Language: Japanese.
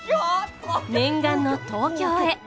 念願の東京へ。